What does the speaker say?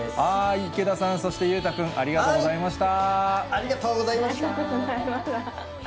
池田さん、そして裕太君、ありがとうございました。